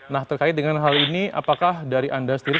nah terkait dengan hal ini apakah dari anda sendiri